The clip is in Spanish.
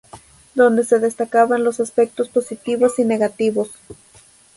donde se destacaban los aspectos positivos y negativos